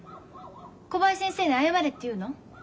小林先生に謝れっていうの？